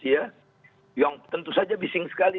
yang tentu saja bising sekali